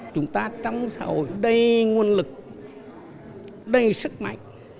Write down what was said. chúng ta trong xã hội đầy nguồn lực đầy sức mạnh